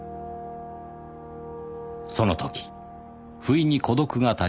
その時不意に孤独が立ち込めた